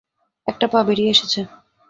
একটা পা বেড়িয়ে এসেছে।